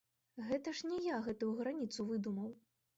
Гэта ж не я гэтую граніцу выдумаў.